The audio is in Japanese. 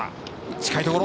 近いところ。